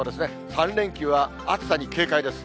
３連休は暑さに警戒です。